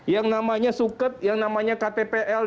yang namanya suket yang namanya ktpl